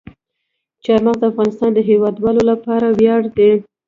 چار مغز د افغانستان د هیوادوالو لپاره ویاړ دی.